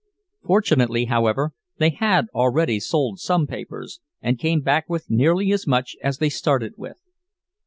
Fortunately, however, they had already sold some papers, and came back with nearly as much as they started with.